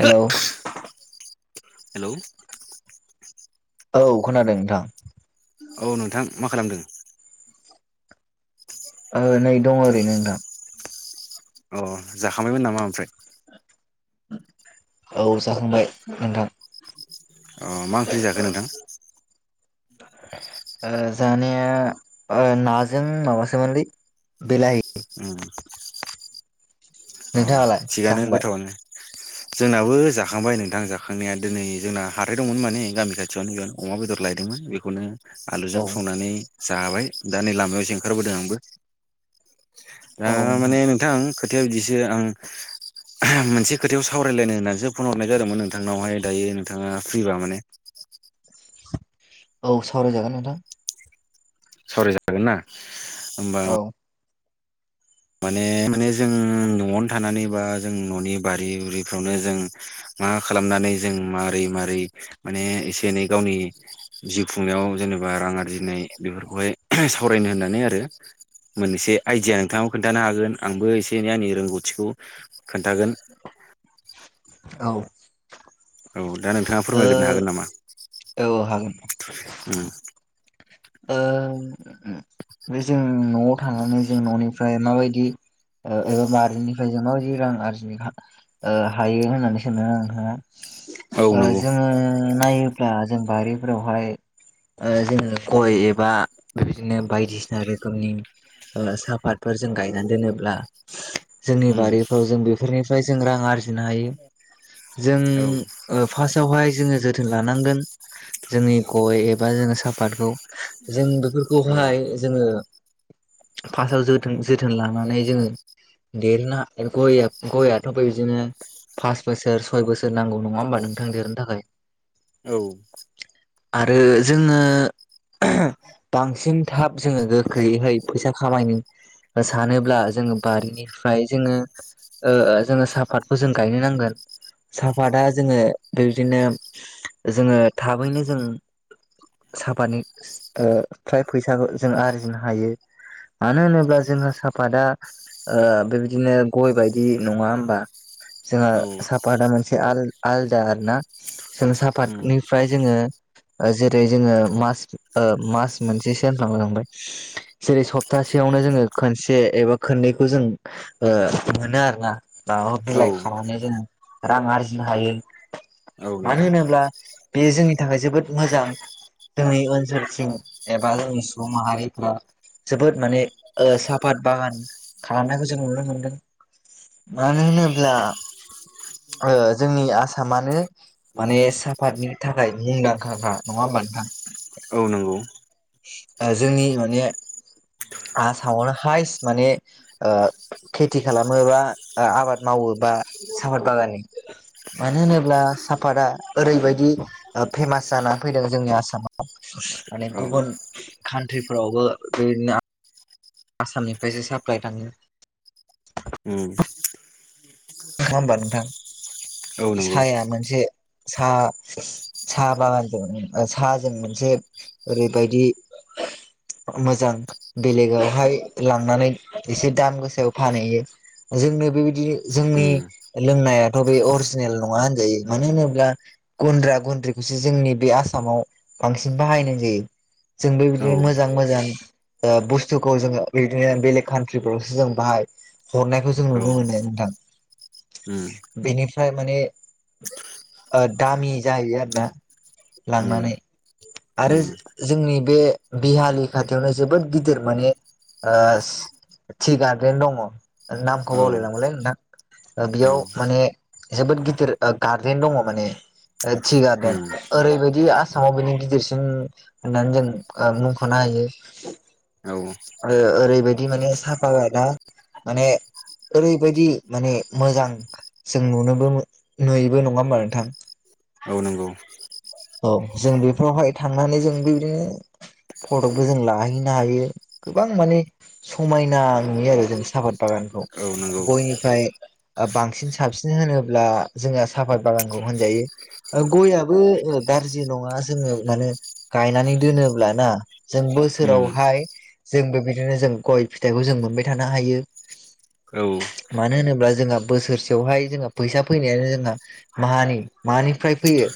Hello hello औ खोनादों नोंथां औ नोंथां मा खालामदों? ओ नै दं ओरैनो नोंथां अ जाखांबायमोन नामा ओमफ्राय? औ जाखांबाय नोंथां अ मा ओंख्रि जाखो नोंथां ओ जानाया ओ नाजों माबासोमोनलै बिलाहि उम अ नोंथाङालाय थिगानो जाखांबाय गोथावानो जोंनाबो जाखांबाय नोंथां जाखांनाया दिनै जोंना हाथाय दंमोन माने गामि खाथियावनो अमा बेदर लायदोंमोन बेखौनो औ आलुजों संनानै जाबाय दा नै लामायावसो ओंखारबोदों आंबो दा माने नोंथां खोथाया बिदिसो आं मोनसे खोथायाव सावरायलायनो होननानैसो फन हरनाय जादोंमोन नोंथांनावहाय दायो नोंथाङा फ्रिबा माने औ सावरायजागोन नोंथां सावराय जागोन ना हबा औ माने माने जों न'आवनो थानानै बा जों न'नि बारि बुरिफ्रावनो जों मा खालामनानै जों मारोरै मारै माने एसे एनै गावनि जिउ खुंनायाव जेनेबा रां आरजिनाय बेफोरखौहाय सावरायनो होननानै आरो मोनसे आइडिया नोंथाङाव खोन्थानो हागोन आंबो एसे एनै आंनि रोंगौथिखौ खोन्थागोन [inaudible] औ औ दा नोंथाङा फोरमायग्रो ओ हागोन नामा? औ हागोन ओ ओ बे जों न'आव थानानै जों न'निफ्राय माबायदि ओ एबा मारिनिफ्राय जों माबदि रां आरजिनो ओ हायो होननानै सानदों नोंथाङा औ ओ नंगौ जोङो नायोब्ला जों बाहारिफोरावहाय ओ जोङो गय एबा बेबायदिनो बायदिसिना रोखोमनि ओ साहापातफोर जों गायनानै दोनोब्ला जोंनि उम बारिफ्राव जों बेफोरनिफ्राय जों रां आरजि बिनो हायो जों औ ओ फार्स्टआवहाय जोङो जोथोन लानांगोन जोंनि गय एबा जोङो सापातखौ जों औ बेफोरखौहाय जोङो फार्स्टआव जोथोन जोथोन लानानै जोङो देरोना ग गयथ' फै बिदिनो पास बोसोर सय बोसोर नांगौ नङा होमबा नोंथां देरनो थाखाय औ आरो जोङो बांसिन थाब जोङो गोखैयैहै फैसा खामायनो नों सानोब्ला जोङो बारिनिफ्राय जोङो ओ ओ जोङो साहापातखौ जों गायनो नांगोन साफाता जोङो बेबायदिनो जोङो थाबैनो जों साफानि ओ फ्राय फैसाखौ जों आरजिनो हायो मानो होनोब्ला जोंहा सा आफादा ओ बेबायदिनो गय बायदि नङा होमबा जोंहा औ साफातआ मोनसे आलदा आरोना जोंङ उम सापातनि ओमफ्राय जोङो जेरै जोङो मास मास मोनसे सफ्रलांबाय जेरै सप्तासेयावनो जोङो खोनसे एबा खोननैखौ जों ओ मोनो आरोना मा औ बिलाइ खानानै जोङो रां आरजिनो हायो औ मानो नोंथां होनोब्ला बेयो जोंनि थाखाय जोबोद मोजां जोंनि ओनसोल जोरसिं एबा जोंनि सुबुं माहारिफ जोबोद माने साफात बागान खालामनायखौ जों नुनो मोनदों मानो होनोब्ला ओ जोंनि आसामानो माने साफातनि थाखाय मुंदांखाखा नङा होमबा नोंथां औ नंगौ जोंनि माने आसामावनो हायस माने ओ खेथि खालामो बा ओ आबाद मावो बा साफाद बागाननि मानो होनोब्ला सापादा ओरैबायदि फेमास जानानै फैदों जोंनि आसामाव माने औ गुबुन कान्ट्रिफोरावबो बेनो आसामनिफ्रायसो साप्लाइ थाङो उम नङ होमबा नोंथां औ नंगौ साया मोनसे साहा साहा बागानजों साहाजों मोनसे ओरैबायदि [inaudible] मोजां बेलेगावहाय लांनानै एसे दाम गोसायाव फानहैयो जोंनो बेबायदिनो जोंनि उम लोंनायाथ' बे अरिजिनेल नङा होनजायो मानो होनोब्ला गुन्द्रा गुन्द्रिखौसो जोंनि बे आसामाव बांसिन बाहायनाय जायो जोंबो औ बिदिनो मोजां मोजां ओ बुस्थुखौ जोङो बिदिनो बेलेग कान्ट्रिफोरावसो जों बाहाय हरनायखौ जों औ नुनो मोनो नोंथां उम बेनिफ्राय माने ओ दामि जाहैयो आरो ना उम लांनानै आरो उम जोंनि बे बिहलि खाथियावनो जोबोद गिदिर माने ओ थि गारडेन दङ नामखौ औ बावलायलङोनलै नोंथां औ बेयाव माने जोबोद गिदिर गार्देन दङ माने टि गार्देन उम ओरैबायदि आसामाव बिनि गिदिरसिन होननानै जों मुंख'नो हायो औ ओ ओरैबायदि माने साफा गा माने ओरैबायदि माने मोजां जों नुनोबो नुयोबो नङा होनबा नोंथां औ नंगौ औ जों बेफोरावहाय थांनानै जों बेबायदिनो फटकबो जों लाहैनो हायो गोबां माने समायना नुयो आरो जों साहापात बागानखौ औ नंगौ गयनिफ्राय ओ बांसिन साबसिन होनोब्ला जोंङो साफाद बागानखौ होनजायो । ओ गयाबबो ओ गाज्रि नङा जोङो माने गायनानै दोनोब्लाना जों उम बोसोरावहाय जोंबो बिदिनो जों गय फिथाइखौ जों मोनबाय थानो हायो। औ मानो होनोब्ला जोंहा बोसोरसेयावहाय जोंहा फैसा फैनायानो जोंहा मानि मानिफ्राय फैयो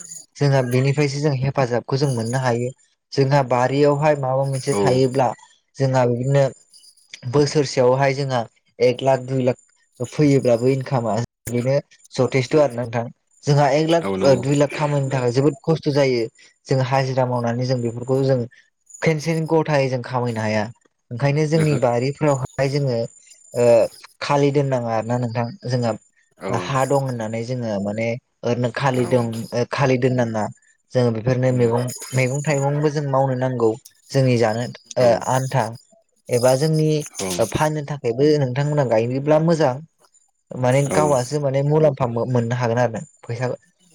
जोंहा बेनिफ्रायसो जों हेफाजाबखौ जों मोननो हायो जोंहा बारियावहाय माबा मोनसे औ थायोब्ला जोंहा बिदिनो बोसोरसेयावहाय जोंहा एक लाख दुइ लाख फैयोब्लाबो इनकामा बिनो जथेस्थ' आरो ना नोंथां। जोंहा एक लाख औ ओ नंगौ दुइ लाख खामानिनो थाखाय जोबोद खस्थ' जायो, जों हाजिरा मावनानै जों बेफोरखौ जों खेनसेन गथायै जों खामायनो हाया। ओंखायनो जोंनि ओहो बारिफ्रावहाय जोङो ओ खालि दोननाङा आरो ना नोंथां जोंहा हा औ दं होननानै जोङो माने ओरैनो औ खालिदों खालिदोंनो नाङा। जोङो बेफोरनो उम मैगं मैगं थाइगंबो जों मावनो नांगौ । जोंनि जानो औ ओ आन्था । एबा जोंनि ओ फाननो थाखायबो नोंथांमोना गायोब्ला मोजां। माने औ गावासो माने मुलाम्फा मो-मोननो हागोन आरो फैसा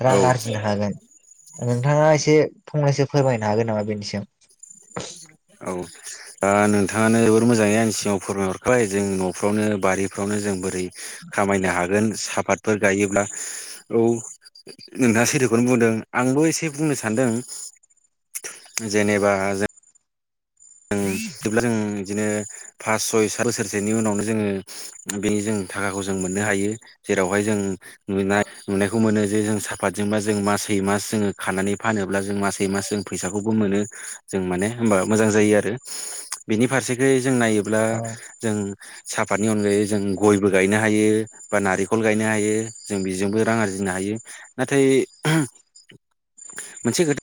रां औ आरजिनो हागोन । नोंथाङा एसे फंनैसो फोरमायनो हागोन नामा बेनि सायाव? औ । दा नोंथाङानो जोबोर मोजाङै आंनि सिगाव फोरमायहरबाय जों न'फ्रावनो बारिफ्रावनो जों बोरै खामायनो हागोन सापातफोर गायोब्ला औ नोंथाङा सैथोखौनो बुंदों आंबो' एसे बुंनो सान्दों । जेनेबा जों ब्ला जों बिदिनो फास सय सात बोसोरसेनि उनावनो जोङो बेनि जों थाखाखौ जों मोननो हायो। जेरावहाय जों [unintelligible] नुनायखौ मोनो जे जों साफातजोंबा जों मासै मास जोङो खानानै फानोब्ला जों मासै मास जों फैसाखौबो मोनो । जों माने होनोमबा मोजां जायो आरो। बिनि फारसेखै जों नायोब्ला औ जों साहापातनि अनगायै जों गयबो गायनो हायो। बा नारिखल गायनो हायो जों बेजोंबो रां आरजिनो हायो नाथाय मोनसे खोथा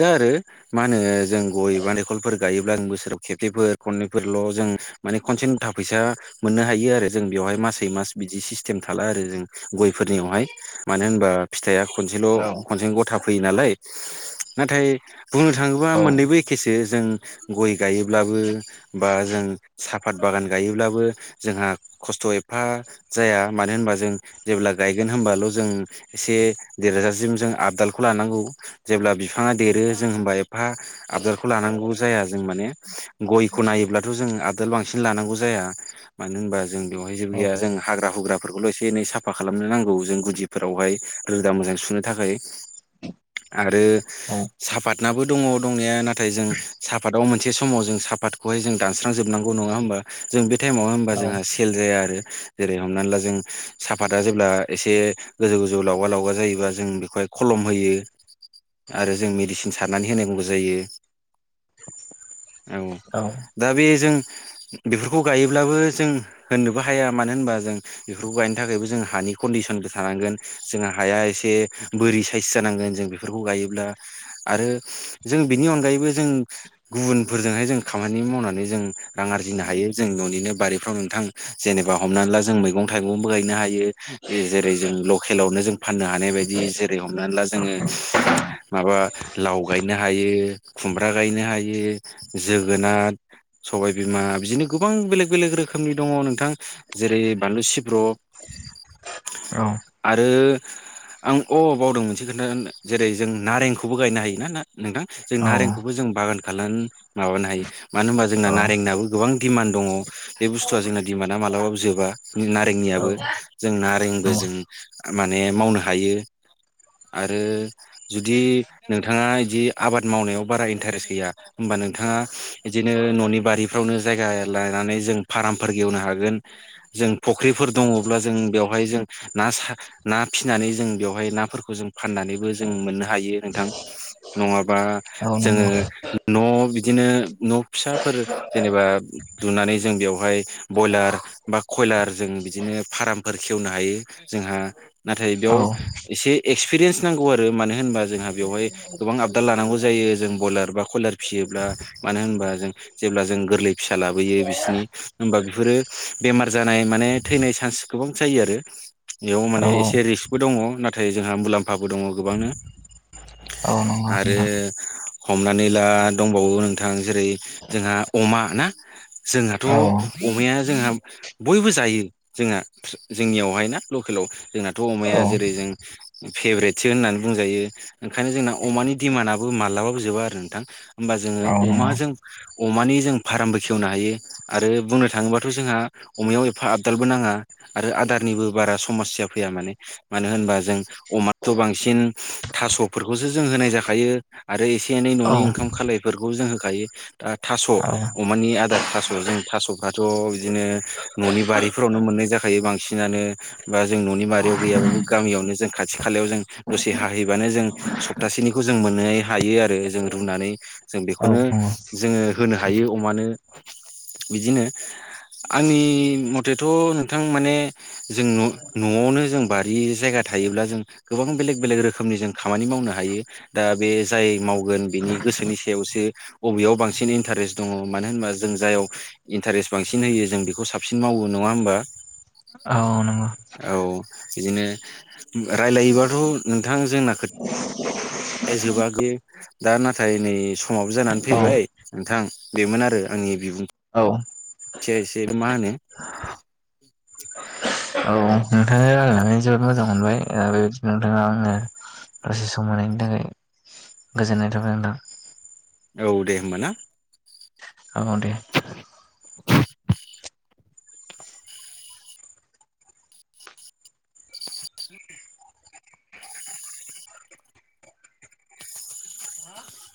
दा आरो मा होनो जों गय बा [unintelligible] खलफोर गायोब्ला जों बोसोराव खेबसेफोर खननैफोरल' जों माने खनसे नुथा फैसा मोननो हायो आरो जों बेवहाय मासै मास बिदि सिस्टेम थाला आरो जों । गयफोरनियावहाय मानो होनबा फिथाइआ खनसेल' औ खनसे गथा फैयो नालाय नाथाय बुंनो थाङोब्ला औ मोननैबो एखेसो जों गय गायोब्लाबो बा जों साहाफात बागान गायोब्लाबो जोंहा खस्थ' एफा जाया मानो होनबा जों जेब्ला गायगोन होनबाल' जों एसे देरजासिम जों आबदालखौ लानांगौ जेब्ला बिफाङा देरो जों होमबा एफा आबदारखौ लानांगौ जाया जों माने गयखौ नायोब्लाथ' जों आबदार बांसिन लानांगौ जाया। मानो होनबा जों बेवहाय जेबो औ गैया जों हाग्रा हुग्राफोरखौल' एसे एनै साफा खालामनो नांगौ जों गुदि फोरावहाय रोदा मोजां सुनो थाखाय आरो औ। सापातनाबो दङ दंनाया नाथाय जों सापाताव मोनसे समाव जों साफातखौहाय जों दानस्रांजोबनांगौ नङा होमबा? जों बे टाइमाव होमबा जोंहा सेल जाया आरो जेरै हमनानै ला जों साफातआ जेब्ला एसे गोजौ गोजौ लावगा लावगा जायोबा जों बेखौहाय खलम होयो । आरो जों मेडिसिन सारनानै होनांगौबो जायो। [inaudible] औ दा बे जों बेफोरखौ गायोब्लाबो जों होननोबो हाया मानो होनबा जों बेफोरखौ गायनो थाखायबो जों हानि कन्डिसनबो थानांगोन। जोंहा हाया एसे बोरि साइस जानांगोन जों बेफोरखौ गायो अब्ला आरो जों बिनि अनगायैबो जों गुबुनफोरजोंहाय जों खामानि मावनानै जों रां आरजिनो हायो जों न'निनो बारिफ्राव नोंथां जेनेबा हमनानै ला जों मैगं थाइगंबो गायनो हायो‌ जेरै जों लकेलावनो जों फाननो हानाय बायदि जेरै हमनानै ला जोङो। माबा लाव गायनो हायो, खुमब्रा गायनो हायो, जोगोनार सबाय बिमा बिदिनो गोबां बेलेग बेलेग रोखोमनि दङ नोंथां‌। जेरै बानलु सिब्रब औ आरो आं अ बावदों मोनसे खोन्था जेरै जों नारेंखौबो गायनो हायो ना ना नोंथां जों औ नारेंखौबो जों बागान खालामनानै माबानो हायो। मानो होनबा जोंना औ नारेंनाबो गोबां दिमान्द दङ। बे बुस्थुआ जोंना दिमान्दआ मालाबाबो जोबा नारेंनियाबो जों नारेंबो जों माने मावनो हायो आरो जुदि नोंथाङा बिदि आबाद मावनायाव बारा इन्टारेस्ट गैया होमबा नोंथाङा बिदिनो न'नि बारिफ्रावनो जायगा लानानै जों फुख्रिफोर दङब्ला जों बेवहाय जों ना ना फिनानै जों बेवहाय नाफोरखौ जों फाननानैबो जों मोननो हायो नोंथां नङाबा जोङो नंगौ न' बिदिनो न' फिसाफोर जेनेबा लुनानै जों बेवहाय बयलार बा कयलार जों बिदिनो फार्मफोर खेवनो हायो। जोंहा नाथाय औ नंगौ औ बेयाव एसे एक्सपिरियेन्स नांगौ आरो गोबां आबोद लानांगौ जायो जों बयलार बा कयलार फिसियोब्ला मानो होनबा जों जेब्ला जों गोरलै फिसा लाबोयो बिसिनि होमबा बेफोरो बेमार जानाय माने थैनाय चान्स गोबां जायो आरो बेयाव औ माने एसे रिक्सबो दङ नाथाय जोंहा मुलाम्फाबो दङ। गोबांनो औ नंगौ आरो नोंथां हमनानै ला दंबावो नोंथां जेरै जोंहा अमा ना जोंहाथ' औ अमाया जोंहा बयबो जायो जोंहा जोंनियावहाय ना लकेलाव जोंनाथ' औ अमाया जेरै जों फेभ्रेटसो होननानै बुंजायो ओंखायनो जोंना अमानि दिडिमान्डआबो माब्लाबाबो जोबा आरो नोंथां। होमबा जोङो औ नंगौ अमाजों अमानि जों फार्मबो खेवनो हायो। आरो बुंनो थाङोबाथ' जोंहा अमायाव एफा आबदालबो नाङा। आरो आदारनिबो बारा समस्या फैया माने मानो होनबा जों अमा थ' बांसिन थास'फोरखौसो जों होनाय जाखायो। आरो एसे एनै औ न'नि ओंखाम खालायफोरखौ जों होखायो दा थास' औ अमानि आदार थास' जों थास'फ्राथ' बिदिनो न'नि बारिफोरावनो मोननाय जाखायो बां बांसिनानो बा जों न'नि मारियाव गैयाबाबो गामियावनो जों खाथि खालायाव जों दसे हाहैबानो जों सप्तासेनिखौ जों मोननो हायो आरो जों रुनानै जों औ बेखौनो नंगौ जोङो होनो सैथो हायो अमानो बिदिनो आंनि मथेथ' नोंथां माने जों न'आवनो जों बारि जायगा थायोब्ला जों गोबां बेलेग बेलेग रोखोमनि जों खामानि मावनो हायो दा बे जाय मावगोन बिनि गोसोनि सायावसो अबेयाव बांसिन इन्टारेस्ट दङ मानो होनबा जों जायाव इन्टारेस्ट बांसिन होयो जों बेखौ साबसिन मावो नङा होमबा औ नंगौ औ बिदिनो रायलायोबाथ' नोंथां जोंना खोथा जोबा [unintelligible] दा नाथाय नै समाबो जानानै औ फैबाय नोंथां बेमोन आरो आंनि बिबुं औ एसे मा होनो औ नोंथांजों रायलायनानै जोबोद मोजां मोनबाय बेबायदिनो नोंथाङा आंनो [unintelligible] दसे सम मोनायनि थाखाय गोजोननाय थाबाय नोंथां [inaudible] औ दे होमबा ना औ दे [inaudible]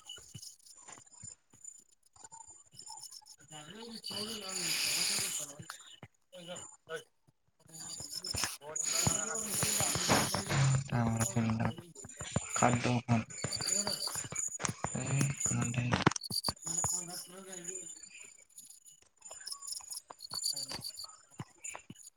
[unintelligible] [inaudible] [inaudible] [inaudible] औ दे [inaudible] [inaudible]